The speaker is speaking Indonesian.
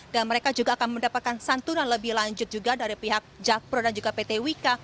dan mereka juga akan mendapatkan santunan lebih lanjut juga dari pihak jakpro dan juga pt wika